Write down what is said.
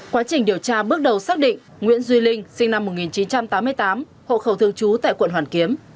quá trình điều tra bước đầu xác định nguyễn duy linh sinh năm một nghìn chín trăm tám mươi tám hộ khẩu thương chú tại quận hoàn kiếm